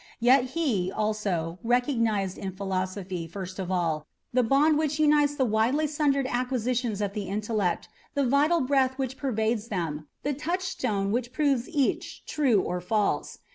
Yet he, also, recognised in philosophy, first of all, the bond which unites the widely sundered acquisitions of the intellect, the vital breath which pervades them, the touchstone which proves each true or false.